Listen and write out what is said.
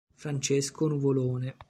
Francesco Nuvolone